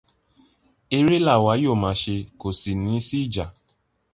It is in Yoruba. Eré là wa yóò màa ṣe kò ní sí ìjà.